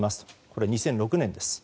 これ、２００６年です。